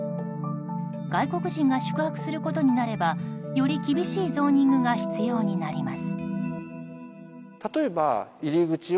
外国人が宿泊することになればより厳しいゾーニングが必要になります。